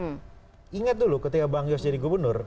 ingat dulu ketika bang yos jadi gubernur